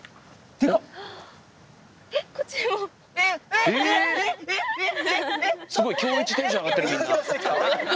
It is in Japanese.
すごい今日一テンション上がってるみんな。